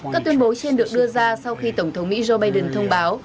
các tuyên bố trên được đưa ra sau khi tổng thống mỹ joe biden thông báo